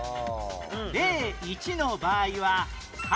例１の場合は「貝」